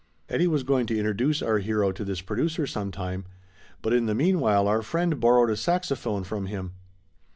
Eddie was going to introduce our hero to this producer sometime, but in the mean while our friend borrowed a saxophone from him.